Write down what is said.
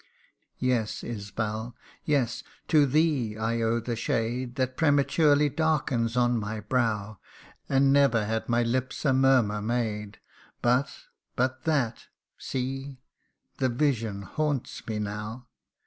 Yes, Isbal, yes ; to thee I owe the shade That prematurely darkens on my brow ; And never had my lips a murmur made But but that see ! the vision haunts me now